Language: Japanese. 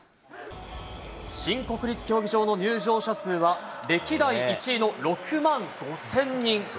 新国立競技場の入場者数は、歴代１位の６万５０００人。